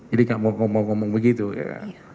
jadi tidak mau ngomong ngomong begitu ya